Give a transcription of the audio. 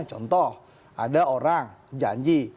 contoh ada orang janji